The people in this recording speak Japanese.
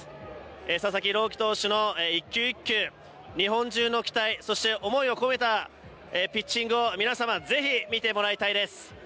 佐々木朗希投手の一球一球、日本中の期待そして思いを込めたピッチングを皆様、是非見てもらいたいです。